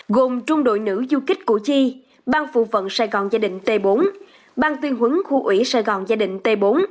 gồm trung đội nữ du kích củ chi ban phụ vận sài gòn gia định t bốn ban tuyên huấn khu ủy sài gòn gia định t bốn